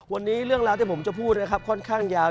วันนี้เรื่องราวที่ผมจะพูดนะครับค่อนข้างยาว